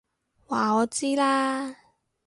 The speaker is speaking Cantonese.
話我知啦！